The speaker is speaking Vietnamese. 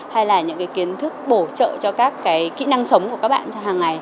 hay là những kiến thức bổ trợ cho các cái kỹ năng sống của các bạn cho hàng ngày